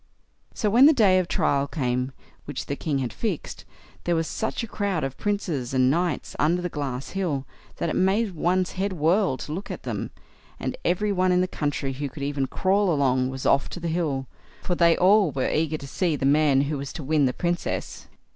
So when the day of trial came, which the king had fixed, there was such a crowd of princes and knights under the glass hill, that it made one's head whirl to look at them; and every one in the country who could even crawl along was off to the hill, for they all were eager to see the man who was to win the Princess.